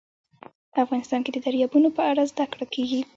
افغانستان کې د دریابونه په اړه زده کړه کېږي.